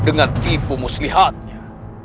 dengan tipu muslihatnya